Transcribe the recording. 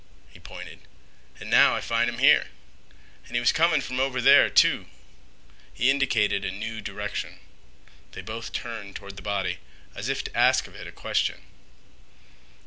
He pointed. "And now I find 'im here. And he was coming from over there, too." He indicated a new direction. They both turned toward the body as if to ask of it a question.